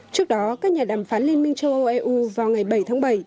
trước đó các nhà đàm phán liên minh châu âu eu vào ngày bảy tháng bảy